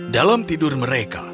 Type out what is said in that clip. dalam tidur mereka